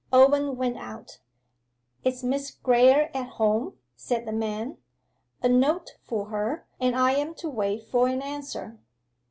Owen went out. 'Is Miss Graye at home?' said the man. 'A note for her, and I am to wait for an answer.